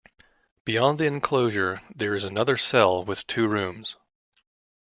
Beyond the enclosure there is another cell with two rooms.